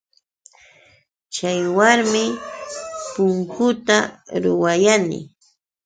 Chaywanmi punkuta ruwayani.